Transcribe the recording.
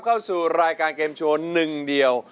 เข้าสู่รายการเกมโชว์หนึ่งเดียว